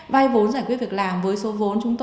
vay vốn giải quyết việc làm với số vốn